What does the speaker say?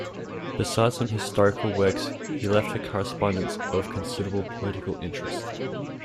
Besides some historical works he left a correspondence of considerable political interest.